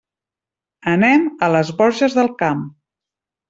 Anem a les Borges del Camp.